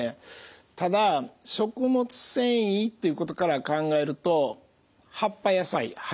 ただ食物繊維っていうことから考えると葉っぱ野菜葉